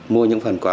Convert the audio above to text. mua những phần quà